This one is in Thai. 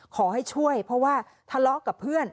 ขอให้ช่วยเพราะว่าทะเลาะกับเพื่อน